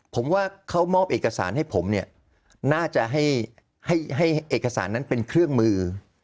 ผมว่าเขามอบเอกสารให้ผมเนี่ยน่าจะให้เอกสารนั้นเป็นเครื่องมือ